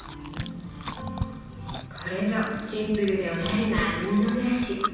これぞシンプルでおしゃれな安曇野暮らし。